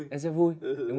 em sẽ vui